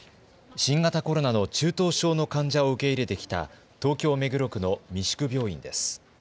新型コロナの中等症の患者を受け入れてきた東京目黒区の三宿病院です。